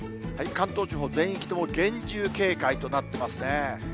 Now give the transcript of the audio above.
関東地方、全域とも厳重警戒となっていますね。